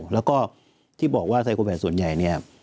แล้วก็ที่บอกว่าไซโครแพทย์ส่วนใหญ่